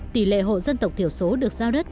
tỷ lệ hộ dân tộc thiểu số được giao đất